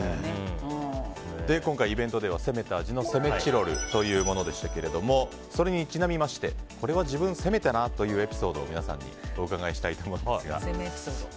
今回、イベントでは攻めた味の攻めチロルというものでしたがそれにちなみましてこれは自分攻めたなというエピソードを皆さんにお伺いしたいと思います。